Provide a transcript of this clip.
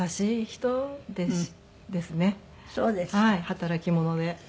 働き者で。